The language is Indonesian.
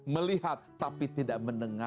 melihat tapi tidak mendengar